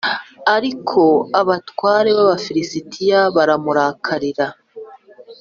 ariko abatware b’abafilisitiya baramurakarira